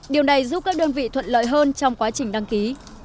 điều này giúp các đơn vị thuận lợi hơn trong quá trình đăng ký